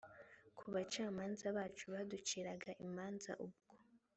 ku bacamanza bacu baduciraga imanza ubwo